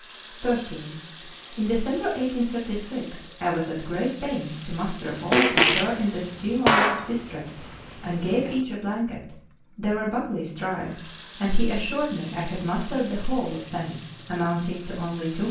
13. In December 1836 I was at great pains to muster all that were in the Geelong district, and gave each a blanket ; they were Buckley's tribe, and he assured me I had mustered the whole of them, amounting to only 279.